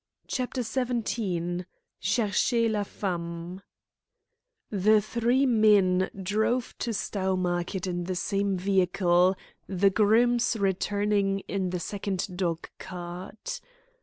CHAPTER XVII "CHERCHEZ LA FEMME" The three men drove to Stowmarket in the same vehicle, the grooms returning in the second dog cart.